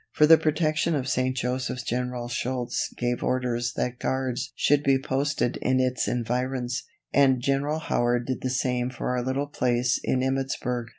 For the protection of St. Joseph's General Schultz gave orders that guards should be posted in its environs, and General Howard did the same for our little place in Emmittsburg.